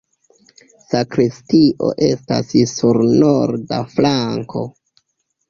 Sakristio estas sur norda flanko.